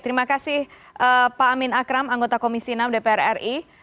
terima kasih pak amin akram anggota komisi enam dpr ri